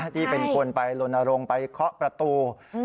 ที่เป็นคนไปลนรงค์ไปเคาะประตู